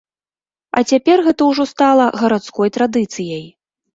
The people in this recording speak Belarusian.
А цяпер гэта ўжо стала гарадской традыцыяй.